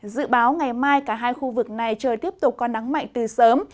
dự báo ngày mai cả hai khu vực này trời tiếp tục có nắng mạnh từ sớm